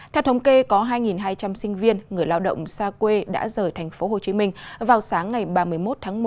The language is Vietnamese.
theo thống kê có hai hai trăm linh sinh viên người lao động xa quê đã rời tp hcm vào sáng ngày ba mươi một tháng một mươi